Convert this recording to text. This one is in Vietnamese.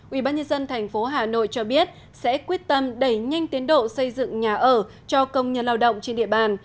ubnd tp hà nội cho biết sẽ quyết tâm đẩy nhanh tiến độ xây dựng nhà ở cho công nhân lao động trên địa bàn